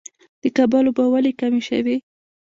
د کابل اوبه ولې کمې شوې؟